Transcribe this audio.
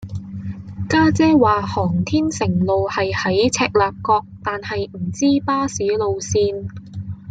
家姐話航天城路係喺赤鱲角但係唔知巴士路線